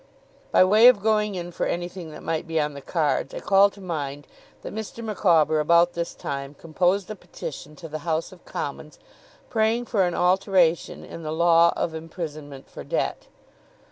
By way of going in for anything that might be on the cards, I call to mind that Mr. Micawber, about this time, composed a petition to the House of Commons, praying for an alteration in the law of imprisonment for debt.